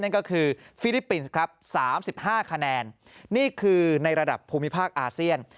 นั่นก็คือฟิลิปปินส์ครับ๓๕คะแนนนี่คือในระดับภูมิภาคอาเซียน